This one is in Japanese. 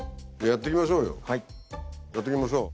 やっていきましょう。